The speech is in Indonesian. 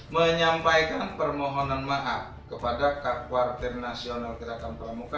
menyampaikan permohonan maaf kepada kekuartir nasional ketua pramuka